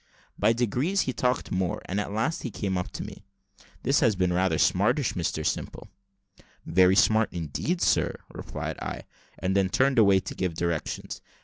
By degrees, he talked more, and at last came up to me. "This has been rather smartish, Mr Simple." "Very smart indeed, sir," replied I; and then turned away to give directions.